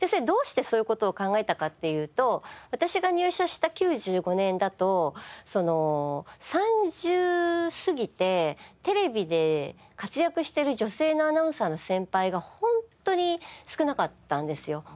どうしてそういう事を考えたかっていうと私が入社した９５年だと３０過ぎてテレビで活躍してる女性のアナウンサーの先輩がホントに少なかったんですよ。